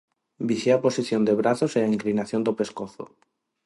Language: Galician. Vixía a posición de brazos e a inclinación do pescozo.